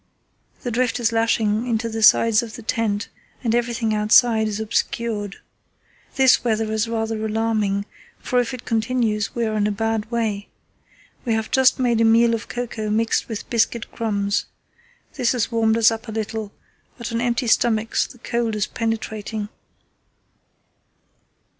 The drift is lashing into the sides of the tent and everything outside is obscured. This weather is rather alarming, for if it continues we are in a bad way. We have just made a meal of cocoa mixed with biscuit crumbs. This has warmed us up a little, but on empty stomachs the cold is penetrating."